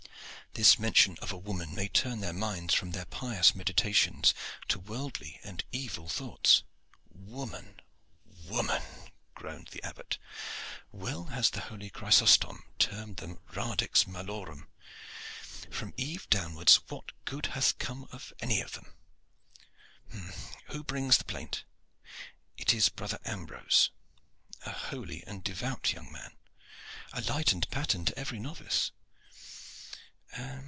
"This mention of a woman may turn their minds from their pious meditations to worldly and evil thoughts." "Woman! woman!" groaned the Abbot. "Well has the holy Chrysostom termed them radix malorum. From Eve downwards, what good hath come from any of them? Who brings the plaint?" "It is brother Ambrose." "A holy and devout young man." "A light and a pattern to every novice."